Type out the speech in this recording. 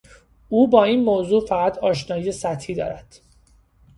او با این موضوع فقط آشنایی سطحی دارد.